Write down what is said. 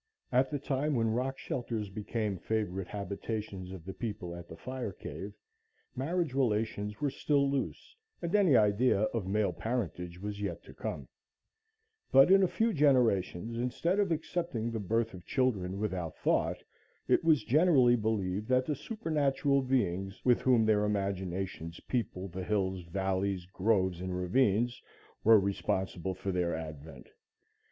At the time when rock shelters became favorite habitations of the people at the fire cave, marriage relations were still loose, and any idea of male parentage was yet to come, but in a few generations, instead of accepting the birth of children without thought, it was generally believed that the supernatural beings with whom their imaginations peopled the hills, valleys, groves and ravines, were responsible for their advent.